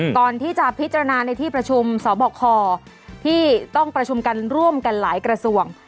ก่อนที่จะพิจารณาในที่ประชุมสบคที่ต้องประชุมกันร่วมกันหลายกระทรวง